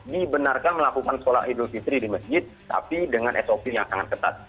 dibenarkan melakukan sholat idul fitri di masjid tapi dengan sop yang sangat ketat